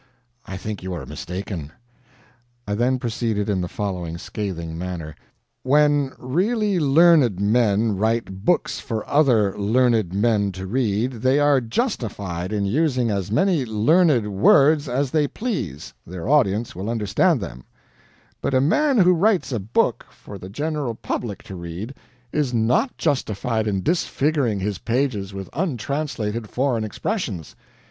"I think you are mistaken." I then proceeded in the following scathing manner. "When really learned men write books for other learned men to read, they are justified in using as many learned words as they please their audience will understand them; but a man who writes a book for the general public to read is not justified in disfiguring his pages with untranslated foreign expressions.